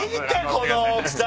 この大きさ！